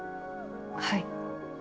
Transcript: はい。